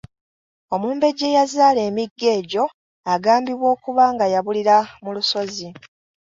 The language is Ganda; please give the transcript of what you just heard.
Omumbejja eyazaala emigga egyo agambibwa okuba nga yabulira mu lusozi.